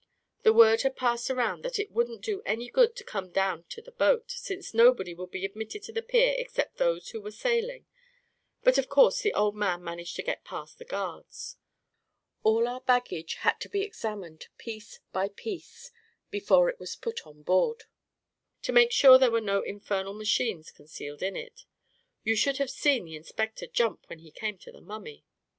The word was passed around that it wouldn't do any good to come down to the boat, since nobody would be admitted to the pier except those who were sailing; but of course the old man managed to get past the guards. All our baggage had to be ex amined piece by piece before it was put on board, to make sure there were no infernal machines con cealed in it — you should have seen the inspector jump when he came to the mummy !